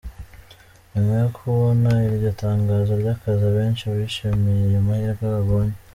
Nyuma yo kubona iryo tangazo ry’akazi, abenshi bishimiye ayo mahirwe babonye.